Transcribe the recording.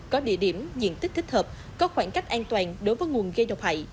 có địa điểm diện tích thích hợp có khoảng cách an toàn đối với nguồn gây độc hại